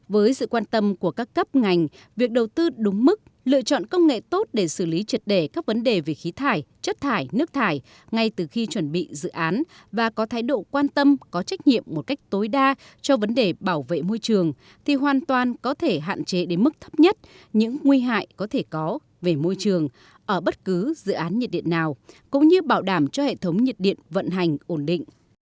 với sự quan tâm của các cấp ngành việc đầu tư đúng mức lựa chọn công nghệ tốt để xử lý trật đề các vấn đề về khí thải chất thải nước thải ngay từ khi chuẩn bị dự án và có thái độ quan tâm có trách nhiệm một cách tối đa cho vấn đề bảo vệ môi trường thì hoàn toàn có thể hạn chế đến mức thấp nhất những nguy hại có thể có về môi trường ở bất cứ dự án nhiệt điện nào cũng như bảo đảm cho hệ thống nhiệt điện vận hành ổn định